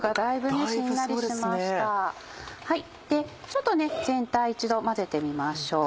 ちょっとね全体一度混ぜてみましょう。